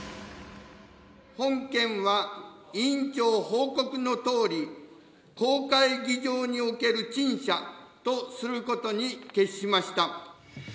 本件は委員長報告のとおり、公開議場における陳謝とすることに決しました。